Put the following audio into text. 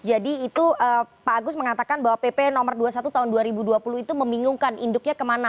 jadi itu pak agus mengatakan bahwa pp dua puluh satu tahun dua ribu dua puluh itu membingungkan induknya kemana